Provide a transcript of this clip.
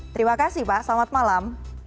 terima kasih pak selamat malam